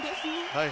はい。